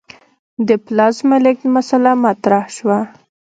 د پلازمې لېږد مسئله مطرح شوه.